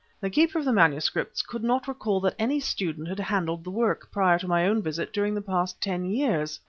The Keeper of the Manuscripts could not recall that any student had handled the work, prior to my own visit, during the past ten years.